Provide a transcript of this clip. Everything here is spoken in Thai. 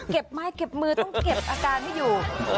ไม้เก็บมือต้องเก็บอาการไม่อยู่